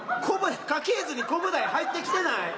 家系図にコブダイ入ってきてない。